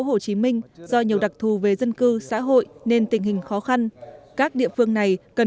hồ chí minh do nhiều đặc thù về dân cư xã hội nên tình hình khó khăn các địa phương này cần